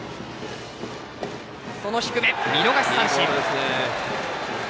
その低め、見逃し三振。